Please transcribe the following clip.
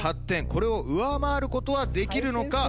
これを上回ることはできるのか？